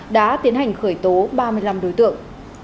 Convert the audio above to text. đã tiến hành khởi tố ba mươi năm đối tượng